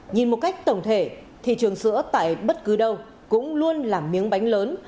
nhìn một cách tổng thể thị trường sữa tại bất cứ đâu cũng luôn là miếng bánh lớn